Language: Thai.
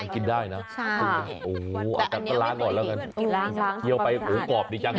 มันกินได้นะโอ้โฮอาจารย์อร่อยแล้วกันคลียวไปโอ้กรอบดีจัง